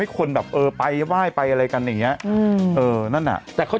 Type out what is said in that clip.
หลังนั้นก็ไปพมูลแบบโอ้โฮจนกระทั่งแบบ